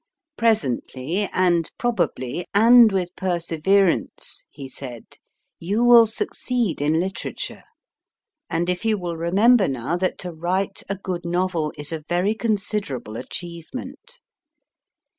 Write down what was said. Presently, and pro bably, and with perseverance, he said, you will succeed in literature, and if you will remember now, that to write a good novel is a very considerable achieve ment.